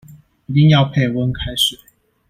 一定要配溫開水